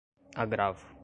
agravo